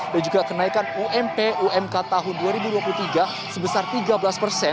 dan juga kenaikan ump umk tahun dua ribu dua puluh tiga sebesar tiga belas persen